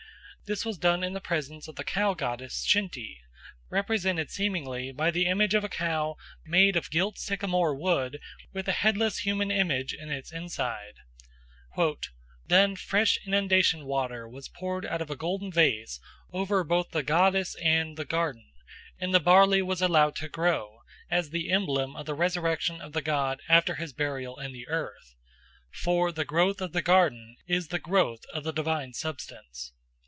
This was done in the presence of the cow goddess Shenty, represented seemingly by the image of a cow made of gilt sycamore wood with a headless human image in its inside. "Then fresh inundation water was poured out of a golden vase over both the goddess and the 'garden,' and the barley was allowed to grow as the emblem of the resurrection of the god after his burial in the earth, 'for the growth of the garden is the growth of the divine substance.'"